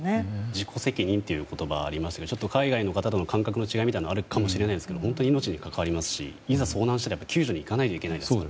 自己責任という言葉がありましたがちょっと海外の方との感覚の違いはあるかもしれませんけど本当に命にかかわりますしいざ、遭難したら救助に行かなきゃいけないですから。